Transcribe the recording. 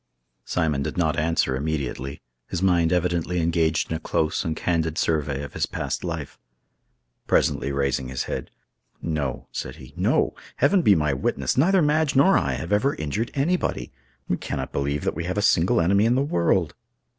Simon did not answer immediately—his mind evidently engaged in a close and candid survey of his past life. Presently, raising his head, "No," said he; "no! Heaven be my witness, neither Madge nor I have ever injured anybody. We cannot believe that we have a single enemy in the world."